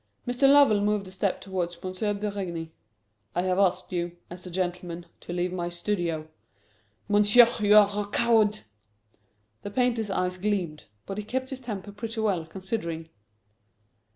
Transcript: Mr. Lovell moved a step towards M. Berigny. "I have asked you, as a gentleman, to leave my studio." "Monsieur, you are a coward!" The painter's eyes gleamed. But he kept his temper pretty well, considering.